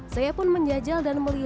saya pun menjajal dan melihat